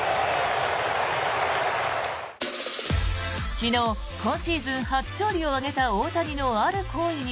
昨日、今シーズン初勝利を挙げた大谷のある行為に